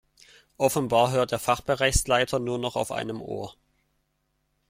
Offenbar hört der Fachbereichsleiter nur noch auf einem Ohr.